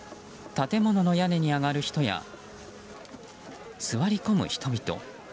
建物の屋根に上がる人や座り込む人々。